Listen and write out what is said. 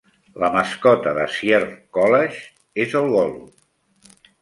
La mascota de Sierra College és el golut.